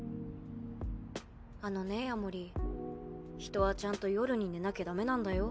あのね夜守人はちゃんと夜に寝なきゃ駄目なんだよ。